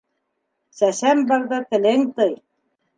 Сәсән барҙа телең тый